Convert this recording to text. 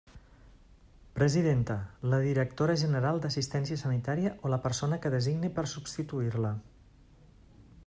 Presidenta: la directora general d'Assistència Sanitària o la persona que designe per a substituir-la.